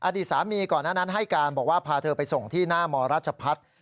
อดีตสามีก่อนหน้านั้นให้การบอกว่าพาเธอไปส่งที่หน้ามรัชพัฒน์